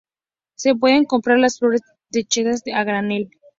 Se pueden comprar las flores desecadas a granel.